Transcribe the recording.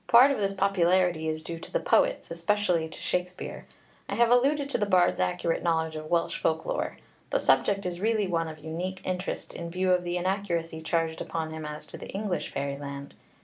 Part of this popularity is due to the poets, especially to Shakspeare. I have alluded to the bard's accurate knowledge of Welsh folk lore; the subject is really one of unique interest, in view of the inaccuracy charged upon him as to the English fairyland.